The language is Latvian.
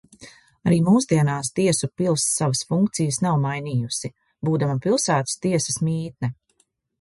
Arī mūsdienās tiesu pils savas funkcijas nav mainījusi, būdama pilsētas tiesas mītne.